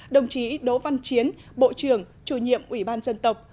đồng chí đỗ văn chiến bộ trưởng chủ nhiệm ủy ban dân tộc